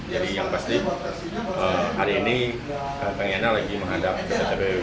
yang pasti hari ini pengena lagi menghadap ke ktpw